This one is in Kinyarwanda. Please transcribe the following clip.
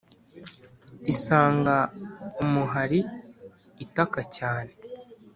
isanga umuhari itaka cyane